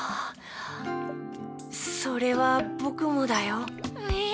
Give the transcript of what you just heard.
それはぼくもだよ。